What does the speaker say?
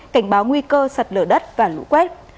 cảnh báo nguy cơ sạt lở đất và lũ quét